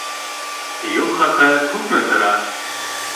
Юл хаҡы күпме тора?